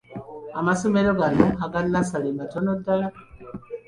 Amasomero gano aga nnassale matono ddala.